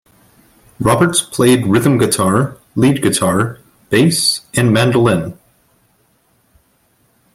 Roberts played rhythm guitar, lead guitar, bass, and mandolin.